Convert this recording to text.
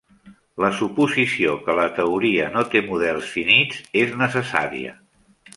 La suposició que la teoria no té models finits és necessària.